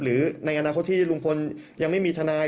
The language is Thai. หรือในอนาคตที่ลุงพลยังไม่มีทนาย